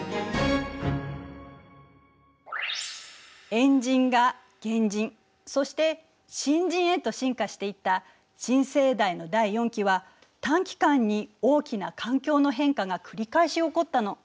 猿人が原人そして新人へと進化していった新生代の第四紀は短期間に大きな環境の変化がくり返し起こったの。